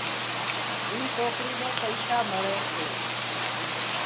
اِي سوڪرِي نين پئيشا مۯي سي